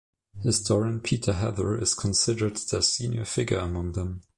Historian Peter Heather is considered the senior figure among them.